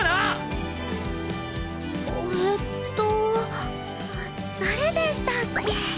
えっと誰でしたっけ？